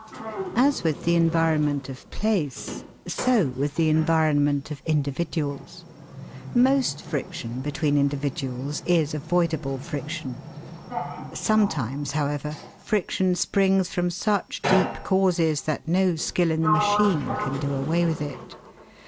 As with the environment of place, so with the environment of individuals. Most friction between individuals is avoidable friction; sometimes, however, friction springs from such deep causes that no skill in the machine can do away with it.